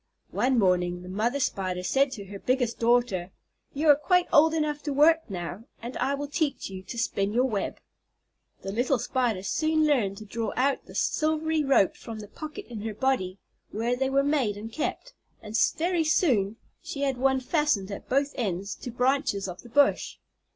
One morning the mother Spider said to her biggest daughter, "You are quite old enough to work now, and I will teach you to spin your web." The little Spider soon learned to draw out the silvery ropes from the pocket in her body where they were made and kept, and very soon she had one fastened at both ends to branches of the bush.